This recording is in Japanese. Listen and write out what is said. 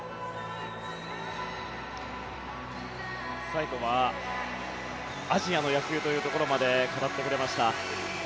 最後はアジアの野球というところまで語ってくれました。